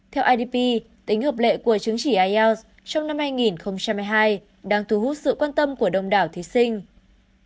theo idp tính hợp lệ của chứng chỉ ielts trong năm hai nghìn hai mươi hai đang thu hút sự quan tâm của đông đảo thí sinh